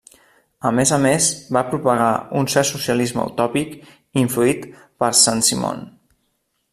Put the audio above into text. A més a més, va propagar un cert socialisme utòpic influït per Saint-Simon.